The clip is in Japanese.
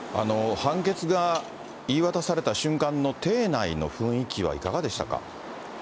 判決が言い渡された瞬間の廷内の雰囲気はいかがでしたか。